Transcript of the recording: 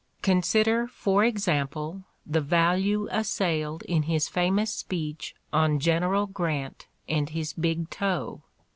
Consider, for example, the value assailed in his famous speech on General Grant and his big toe.